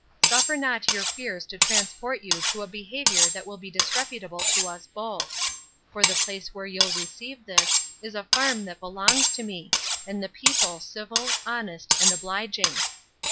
Suffer not your fears to transport you to a behaviour that will be disreputable to us both: for the place where you'll receive this, is a farm that belongs to me; and the people civil, honest, and obliging.